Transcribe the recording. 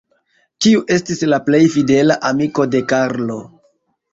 Kiu estis la plej fidela amiko de Karlo?